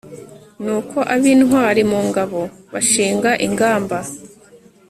nuko ab'intwari mu ngabo bashinga ingamba